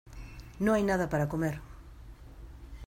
No hay nada para comer.